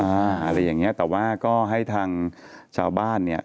อะไรอย่างเงี้ยแต่ว่าก็ให้ทางชาวบ้านเนี่ย